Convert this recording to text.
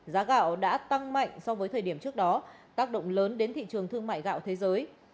giá gạo đã tăng mạnh so với thời điểm trước đó tác động lớn đến thị trường thương mại gạo thế giới